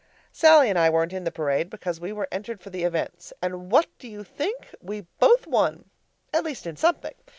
Sallie and I weren't in the parade because we were entered for the events. And what do you think? We both won! At least in something.